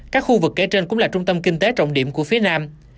các khu vực kể trên cũng là trung tâm kinh tế trọng điểm của phía nam